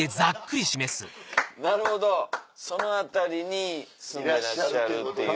なるほどその辺りに住んでらっしゃるっていう。